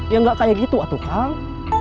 ya nggak kayak gitu tuh kang